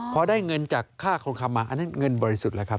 พอได้เงินจากค่าคลองคำมาอันนั้นเงินบริสุทธิ์แล้วครับ